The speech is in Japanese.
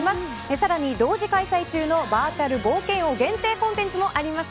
さらに、同時開催中のバーチャル冒険王限定コンテンツもあります。